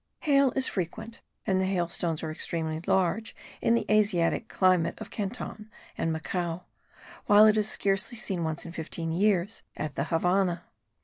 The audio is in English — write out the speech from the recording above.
Hail is frequent and the hail stones are extremely large in the Asiatic climate of Canton and Macao, while it is scarcely seen once in fifteen years at the Havannah.